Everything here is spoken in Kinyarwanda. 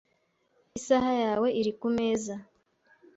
Isaha yawe iri kumeza .